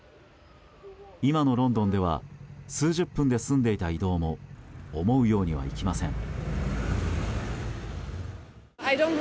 今のロンドンでは数十分で済んでいた移動も思うようにはいきません。